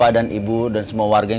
aku akan menganggap